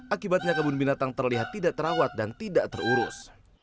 akibatnya kebun binatang terlihat tidak terawat dan tidak terurus